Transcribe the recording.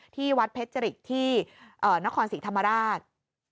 ที่วัดเพชรภิกษ์ที่นครศิษย์ธรรมราช